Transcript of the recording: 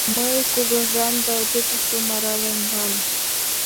— Мый кугыжам да отечествым араленам.